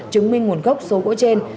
chứng minh nguồn gốc số gỗ trên